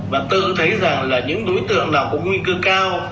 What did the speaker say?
và tự thấy rằng là những đối tượng nào có nguy cơ cao